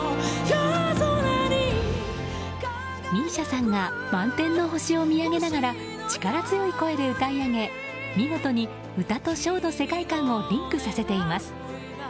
ＭＩＳＩＡさんが満天の星を見上げながら力強い声で歌い上げ見事に歌とショーの世界観をリンクさせています。